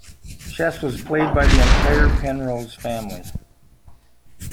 Chess was played by the entire Penrose family.